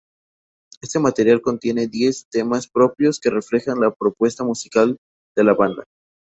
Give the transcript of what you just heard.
Este material contiene diez temas propios, que reflejan la propuesta musical de la banda.